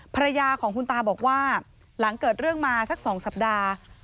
ภรรยาของคุณตาบอกว่าหลังเกิดเรื่องมาสัก๒สัปดาห์